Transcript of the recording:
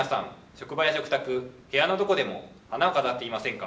職場や食卓部屋のどこでも花を飾ってみませんか？